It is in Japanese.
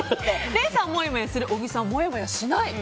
礼さん、もやもやする小木さん、もやもやしない。